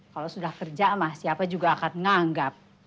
kalau sudah kerja mah siapa juga akan menganggap